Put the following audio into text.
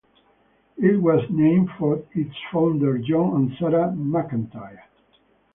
It was named for its founders, John and Sarah McIntire.